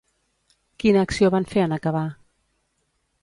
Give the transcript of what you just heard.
Quina acció van fer en acabar?